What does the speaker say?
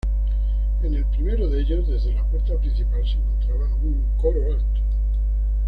En el primero de ellos desde la puerta principal se encontraba un coro alto.